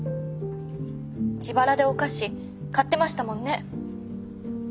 自腹でお菓子買ってましたもんね。